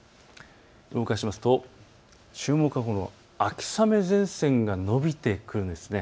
動かしますと注目は秋雨前線が延びてくるんです。